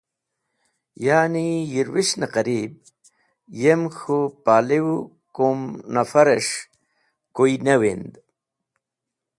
ya’ni yirwishn-e qarib. Yem k̃hũ palew kum nafares̃h kuy ne wind.